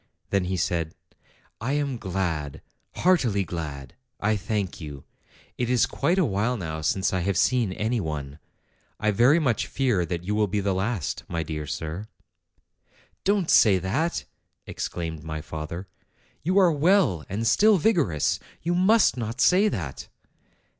Then he said, "I am glad, heartily glad. I thank you. It is quite a while now since I have seen any one. I very much fear that you will be the last, my dear sir." "Don't say that," exclaimed my father. 'You are well and still vigorous. You must not say that."